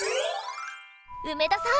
梅田さん。